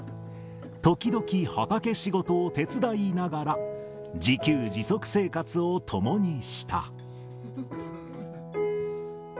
時々、畑仕事を手伝いながら、自給自足生活を共にした。